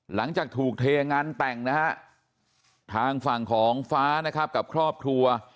หลังจากถูกเทงานแต่งนะฮะทางฝั่งของฟ้านะครับกับครอบครัว